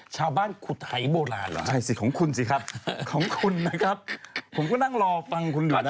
ขุดหายโบราณเหรอใช่สิของคุณสิครับของคุณนะครับผมก็นั่งรอฟังคุณอยู่นะ